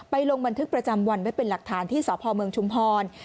ลงบันทึกประจำวันไว้เป็นหลักฐานที่สพเมืองชุมพร